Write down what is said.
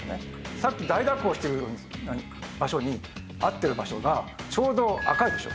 さっき大蛇行してる場所にあってる場所がちょうど赤いでしょ？